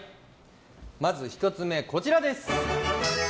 まず１つ目、こちらです。